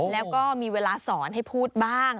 แล้วก็มีเวลาสอนให้พูดบ้าง